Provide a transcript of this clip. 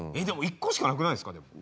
でも一個しかなくないですか？